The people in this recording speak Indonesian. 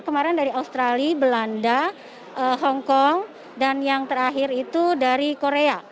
kemarin dari australia belanda hongkong dan yang terakhir itu dari korea